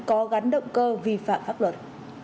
có gắn động cơ vi phạm pháp luật